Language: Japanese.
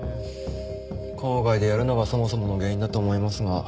校外でやるのがそもそもの原因だと思いますが。